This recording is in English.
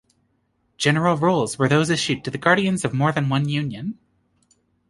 General Rules were those issued to the Guardians of more than one Union.